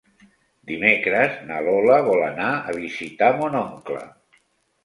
Dimecres na Lola vol anar a visitar mon oncle.